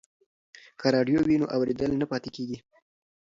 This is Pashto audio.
که راډیو وي نو اورېدل نه پاتې کیږي.